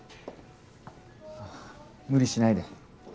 あ無理しないで。